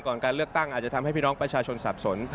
การเลือกตั้งอาจจะทำให้พี่น้องประชาชนสับสน